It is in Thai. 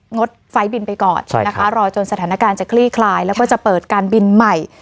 งดไฟล์บินไปก่อนนะคะรอจนสถานการณ์จะคลี่คลายแล้วก็จะเปิดการบินใหม่